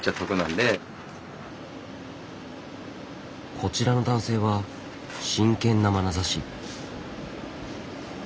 こちらの男性は真剣なまなざし。